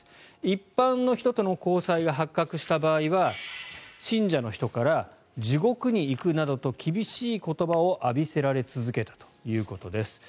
一般の人との交際が発覚した場合は信者の人から地獄に行くなどと厳しい言葉を浴びせられ続けたということです。